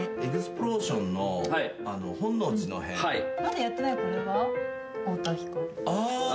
まだやってないこれは？あ。